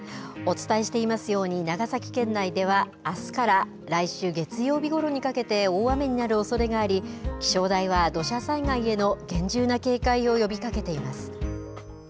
お伝えしていますように長崎県内ではあすから来週月曜日ごろにかけて大雨になるおそれがあり気象台は土砂災害への厳重な警戒を呼びかけています。